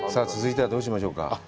続いてはどうしましょうか。